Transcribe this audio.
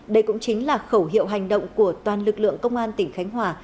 đây cũng chính là khẩu hiệu hành động của toàn lực lượng công an tỉnh khánh hòa